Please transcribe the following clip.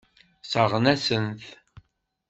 Sseṛɣen-asent-t.